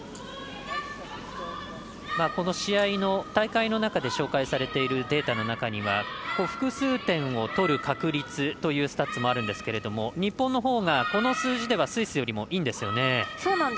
この試合の大会の中で紹介されているデータの中には複数点を取る確率というスタッツもあるんですけれども日本のほうがこの数字ではスイスよりもいいんですよね。